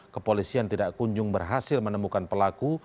kepolisian tidak kunjung berhasil menemukan pelaku